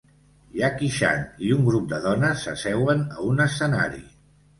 Jackie Chan i un grup de dones s'asseuen a un escenari